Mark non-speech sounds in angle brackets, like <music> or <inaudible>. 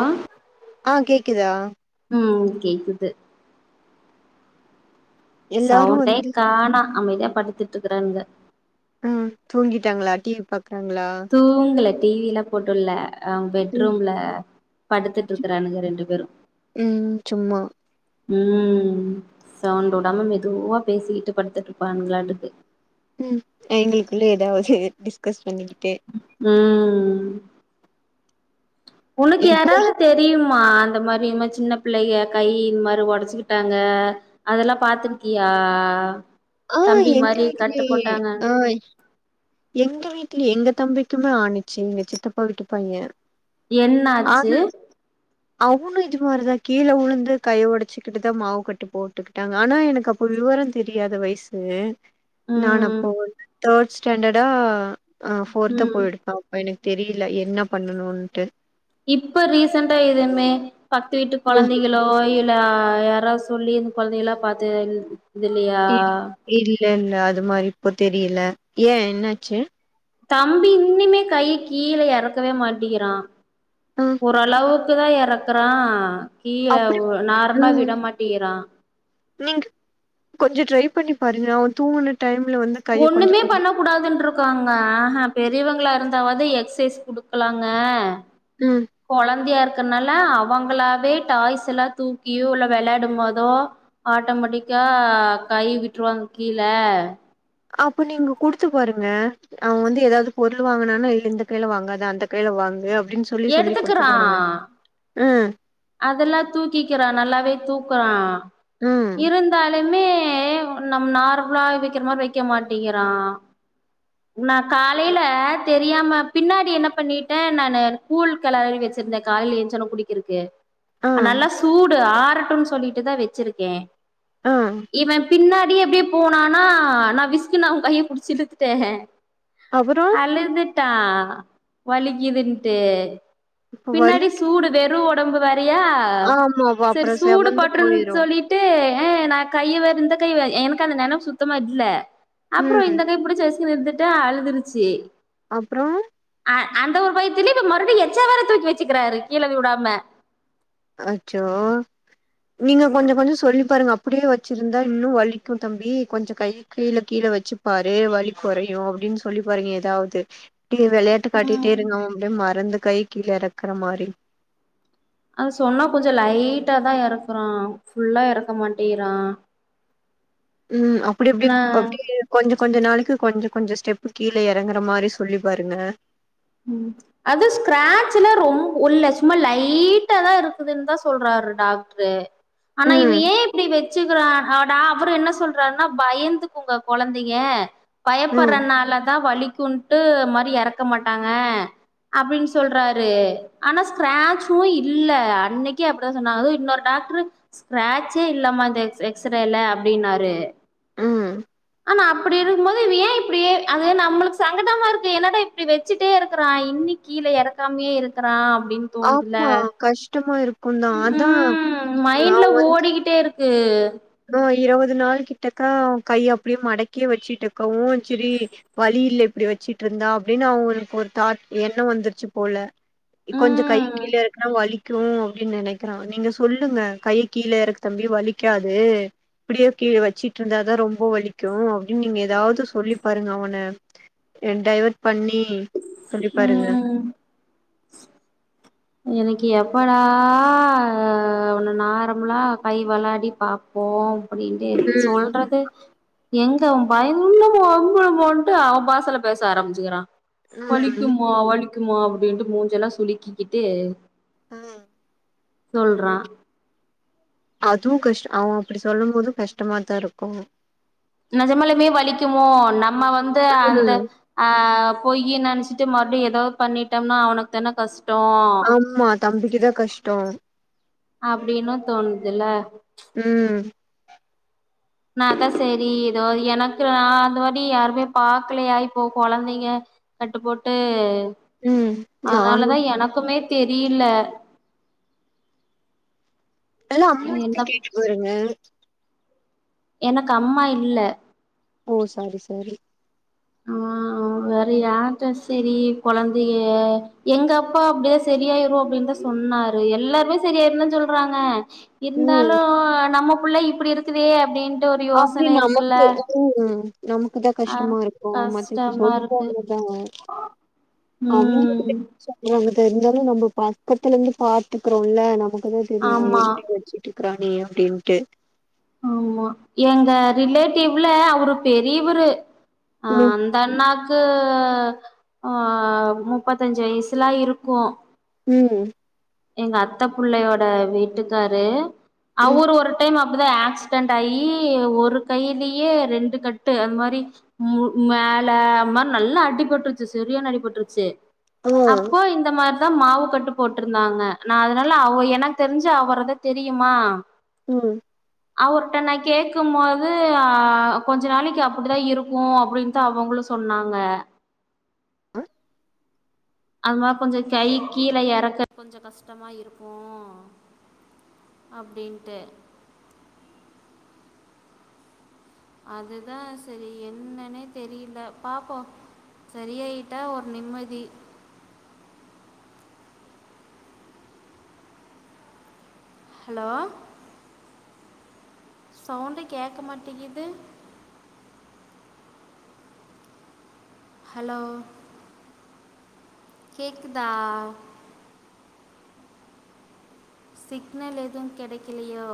ஆ ஆ கேக்குதா ம் கேக்குது எல்லாரு சவுண்டே வந்து காணோ அமைதியா படுத்துட்டு இருக்குறானுங்கக ம் தூங்கிட்டாங்ளா டி வி பாக்குறாங்ளா தூங்கல டி வி ல்லா போட்டு உட்ல அவே ம் பெட்ரூம்ல படுத்துட்டு இருக்குறானுங்க ரெண்டு பேரு ம் சும்மா ம் சவுண்டு உடாம மெதுவா பேசிக்கிட்டு படுத்துட்டு இருப்பானுங்களாட்டுக்கு ம் எங்களுக்குள்ள ஏதாவது டிஸ்கஸ் பண்ணிக்கிட்டு ம் உனக்கு இப்ப யாராவது தெரியுமா அந்த மாரி அதிகமா சின்ன பிள்ளைக கை இந்த மாரி ஒடச்சிக்கிட்டாங்க அதெல்லா பாத்திருக்கியா ஆ தம்பி எங்க மாரி கட்டு வீட்லயே போட்டாங்க ஆ எங்க வீட்லையே எங்க தம்பிக்குமே ஆணிச்சு எங்க சித்தப்பா வீட்டு பைய என்னாச்சு ஆளு அவுனு இதுமாரிதா கீழ உழுந்து கைய ஒடைச்சுக்கிட்டு தா மாவு கட்டு போட்டுக் ட்டாங்க ஆனா எனக்கு அப்ப விவரம் தெரியாது வயசு நான் ம் அப்போ வந்து தேர்ட் ஸ்டாண்டர்டா ஆ ஃபோர்த்தௌ ம் போயிருப்பே அப்ப எனக்கு தெரியல என்ன பண்ணணுட்டு இப்ப ரீசெண்டா எதுவுமே பக்து வீட்டு ஆ கொழந்தைகள் லோ இல்ல யாராவது சொல்லி இந் கொழந்தைங்கல்லா பாத்து இல் இதுல்லயா இல் இல்லல்ல அது மாரி இப்போ தெரியல ஏயே என்னாச்சி தம்பி இன்னிமே கைய கீழ எறக்கவே மாட்டிக்கிறா ஆ. ஓரளவு க்குதா எறக்குறா கீழ அப்படி நார்மலா ம். விடமாட்டிகிறா நீங்க கொஞ்சோ ட்ரை பண்ணி பாருங்க அவ தூங்கின டைம்ல வந்து கைய கொஞ்சம் ஒன்னுமே கொஞ்சம் பண்ண கூடாதுன்டிருக்காங்க அ ஆ பெரியவங்களா இருந்தாவாது எக்ஸைஸ் குடுக்கலாங்க ம் கொழந்தையா இருக்கனால அவுங்களாவே டாய்ஸ் எல்லா தூக்கியே உள்ள வெளாட மோதோ ஆட்டோமெட்டிக்கா கை விட்ருவாங்க கீழ அப்போ நீங்க குடுத்து பாருங்க அவே வந்து ஏதாது பொருள் வாங்கனான்னா இல்ல இந்த கையில வாங்காத அந்த கையில வாங்கு அப்டின் சொ சொல்லி சொல்லி குடுத்து எடுத்துக்கிறா பாருங்க ம் அதெல்லா தூக்கிக்கிறா நல்லாவே தூக்குறா ம், இருந்தாலுமே நம்ம நார்மலாக வெக்கிற மாரி வக்க மாட்டிகிறா நா காலையில தெரியாம பின்னாடி என்ன பண்ணிட்டே நானு கூழ் களரி வெச்சிருந்தே காலையில எஞ்சோனே குடிக்கிறக்கு ஆ, நல்லா சூடு ஆரட்டுன்னு சொல்லிட்டுதா வெச்சிருக்கே ஆ. இவே பின்னாடி அப்டியே போனானா நா விசுக்குனு அவே கைய புடிச்சி இழுத்துட்டே அப்புறம் அழுதுட் டா வலிக்கிதுன்டு பின்னாடி வலிக்கு சூடு ம். வெறு ஓட ஒடம்பு வேறையா ஆமா. சேரி அப்புறம் சூடு செவந்து பட்டுருன் போயிரும். சொல்லி ட்டு ஏ நா கைய வேற இந்த கை எனக்கு அந்த நெனைப் சுத்தமா இல்ல அப்றோ ம். இந்த கைய புடுச்சி விசுக்குனு இழுத்துட்டே அழுதுருச்சி அப்றோ அ அந்த ஒரு பயத்துலியு மறுடி எச்சா வேர தூக்கி வச்சிக்கிறாரு கீழ உடாம அச்சோ நீங்க கொஞ்சோ கொஞ்சோ சொல்லி பாருங்க அப் அப்டியே வச்சிருந்தா இன்னூ வலிக்கு தம்பி கொஞ்ச கை கீழ கீழ வச்சு பாரு வலி கொறையு அப்டின் சொல்லி பாருங்க எதாவ்து டியே வெளையாட்டு காட்டிட்டேருங்க அப்டே மறந்து கை கீழ எறக்குற மாரி அது சொன்னா கொஞ்ச லைட்டாதா எறக்கறா ஃபுல்லா எறக்க மாட்டிறா ம் அப்டி அப்டி நா அப்டியே கொஞ்ச கொஞ்ச நாளுக்கு கொஞ்ச கொஞ்ச ஸ்டெப்பு கீழ எறங்குற மாரி சொல்லி பாருங்க ம் அது ஸ்கிராட்சல ரொம் உள்ள சும்மா லைட்டாதா இருக்குதுன் தா சொல்றாரு டாக்ட்ரு ஆனா இவ ம் ஏ இப்டி வெச்சுக்கிறா அவ்டா அவுரு என்ன சொல்றார்ன்னா பய்ந்து துக்குங்க கொழந்தைக ம் பயப்பற்றனாலதா வலிக்குன்ட்டு மாரி எறக்க மாட் டாங்க அப்டின் சொல்றாரு ஆனா ஸ்கிராட்சு இல்ல அன்னைக்கே அப் தா சொன்னாரு இன்னொரு டாக்ட்ரு ஸ்கிரேச்சே இல்லம்மா இந்த எக்ஸ் எக்ஸ்ரேல அப்டின்னாரு ம் ஆனா அப்டிருக்குபோது இவ ஏ இப்டியே அது நம்முளுக்கு சங்கடமாருக்கு என்னடா இப்டி வெச்சிட்டே இருக்கிறா இன்னிக் கீழ எறக்காம்மே இருக்கிறா அப்டின் தோணுதுல ஆமா கஷ்டமா இருக்குந்தா அதா ம் அவ மைண்ட்ல வந்து ஓடிக்கிட்டேருக் கு ஆ இருவது நாள் கிட்டக்கா அவ கைய அப்டியே மடக்கியே வச்சுட்டுருக்கா வு சரி வலியில்ல இப்டி வச்சிட்டுருந்தா அப்டின்னு அவ ஒரு தாட் எண்ணோ வந்துருச்சு போல கொஞ்சோ கை ம் கீழ எறக்குனா வலி க்கு அப்டின் நெனைக்கிறா நீங்க சொல்லுங்க கைய கீழ எறக் தம்பி வலிக்காது இப்டியே கீழ வச்சிட்டுருந்தாதா ரொம்ப வலிக்கு அப்டின் நீங்க ஏதாவ்து சொல்லி பாருங்க அவன என்டைவர்ட் பண்ணி சொல்லி பாருங்க ம் எனக்கு எப்படா அ அவன நார்மலா கை வெளாடி பாப்போ அப்டின்ட்டே இருக்கு சொல்றது எங்க பயனுள்ளமோ அம்பளமோன்ட்டு அவ பாசல பேச ஆரம்பிச்சுக்கிறா ம் வலிக்குமா வலிக்குமா அப்டின்ட்டு மூஞ்செலா சுலிக்கிக்கிட்டு ம் சொல்றா அது கஷ் அவ அப்டி சொல்லும்போது கஷ்டமாதா இருக்கு நெஜமாலுமே வலிக்குமோ நம்ம வந்து அந்த ம் ஆ பொய்யின் நெனஸ்ட்டு மறுடியு எதோ பண்ணிட்டம்னா அவனுக்தானே கஷ் ஆமா தம்பிக்குதா கஷ்டோ அப்டின்னு தோணுதுல ம் நாதா சரி எதொ எனக்கு நா அந்த மாரி யாருமே பாக்கலயா இப்போ கொழந்தைங்க கட்டு போட்டு ம் நானு அதனாலதா எனக்குமே தெரியில எல்லா அம்மாட்ட என்ன கேட்டு பாருங்க எனக்கு அம்மா இல்ல ஓ சாரி சாரி ஆ வேற யார்ட்ட செரி கொழந்திய எங்கப்பா அப்டிதா சரியாயிரு அப்டின்தா சொன்னாரு எல்லாருமே சரியாயிருந்தா சொல்றாங்க ம் இருந்தாலு நம்ம புள்ள இப்டிருக்குதே அப்டின் அப்டி நமக்கு ம் நமக்குதா ஆ கஷ்டமாருக் கு மத்தக்கி கஷ்டமா சொல்ட்டு இருக்கு வந்துட்டாங்க ம் அவுங்ககிட்டே சொல்றது தெரிஞ்சாலு நம்ம பக்கத்துல இருந்து பாத்துக்கிறோம்லே நமக்குதா தெரியு அவ ஆமா எப்டினு சொல்ட்டு இருக்குறானே அப்டின்ட்டு ஆமா எங்க ரிலேட்டிவ்ல அவ்ரு பெரியவரு ம் அந்தண்ணாக்கு ஆ முப்பத்தஞ்சி வய்சுலா இருக்கு ம் எங்க அத்த பிள்ளையோட வீட்டுக்காரு ம் அவ்ரு ஒரு டைம் அ ப்டிதா ஆக்சிடென்ட் ஆயி ஒரு கையிலியே ரெண்டு கட்டு அதுமாரி மு மேல அந்த மாரி நல்லா அடிபட்டுருச்சி செரியான அடிபட்டுருச்சி ஆ அப்போ இந்த மாரிதா மாவு கட்டு போட்ரு ந்தாங்க நா அதனால அவ எனக்கு தெரிஞ்சு அவ்வரத தெரியுமா ம் அவர்கிட்ட நா கேட்ககு மோது அ கொஞ்சோ நாளைக்கி அப்டிதா இருக்கு அப்டின்னுட்டு அவுங்களு சொன்னாங்க ஆ அது மா கொஞ்சோ கை கீழ எறக்க கொஞ்சோ கஷ்டமா இருக்கு <inaudible> அப்டின்ட்டு அதுதா செரி என்னன்னே தெரிய்ல பாப்பு சரியாயிட்டா ஒரு நிம்மதி ஹலோ சவுண்டு கேக்க மாட்டேகீது ஹலோ கேக்குதா சிக்னல் எதுவு கெடைக்கலையோ